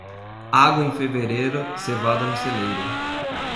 Água em fevereiro, cevada no celeiro.